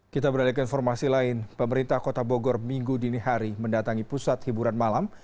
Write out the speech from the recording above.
kita beralih ke informasi lain pemerintah kota bogor minggu dini hari mendatangi pusat hiburan malam